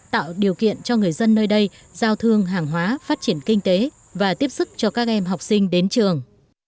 tạo điều kiện cho người dân nơi đây giao thương hàng hóa phát triển kinh tế và tiếp sức cho các em học sinh đến trường